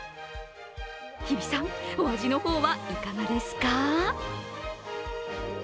日比さん、お味の方はいかがですか？